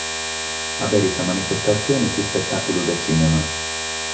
Aberit sa manifestatzione s’ispetàculu de tzìnema.